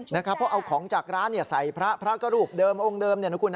เพราะเอาของจากร้านใส่พระพระก็รูปเดิมองค์เดิม